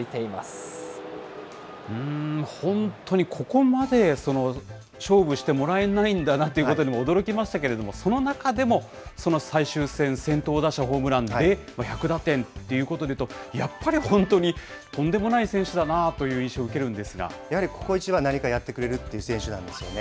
本当にここまで、勝負してもらえないんだなということにも驚きましたけれども、その中でも、その最終戦、先頭打者ホームランで、１００打点ということで言うと、やっぱり本当にとんでもない選手だなという印象をやはりここ一番、何かやってくれるという選手なんですよね。